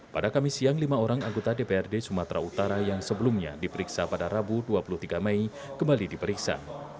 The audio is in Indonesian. pada kamis siang lima orang anggota dprd sumatera utara yang sebelumnya diperiksa pada rabu dua puluh tiga mei kembali diperiksa